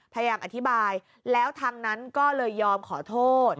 พยายามอธิบายแล้วทางนั้นก็เลยยอมขอโทษ